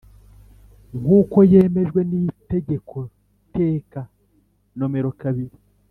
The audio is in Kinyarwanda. nk uko yemejwe n Itegeko teka nomero kabiri